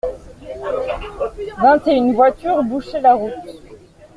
Vingt-et-une voitures bouchaient la route.